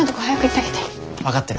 分かってる。